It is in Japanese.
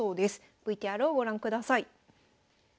ＶＴＲをご覧ください。